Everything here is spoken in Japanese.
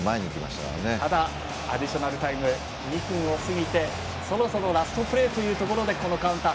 ただアディショナルタイム２分を過ぎてそろそろラストプレーというところでこのカウンター。